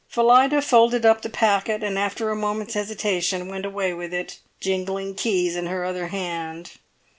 Phillida folded up the packet, and after a moment's hesitation went away with it, jingling keys in her other hand.